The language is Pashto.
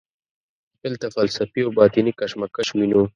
دلته فلسفي او باطني کشمکش وینو.